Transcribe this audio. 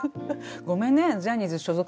ごめんねジャニーズ所属の方に。